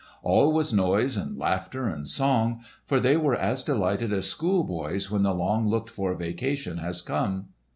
All was noise and laughter and song, for they were as delighted as schoolboys when the long looked for vacation has come.